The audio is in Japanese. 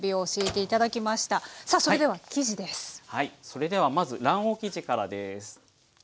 それではまず卵黄生地からです。